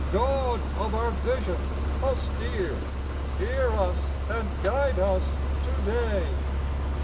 God of our vision austere. Hear us and guide us today.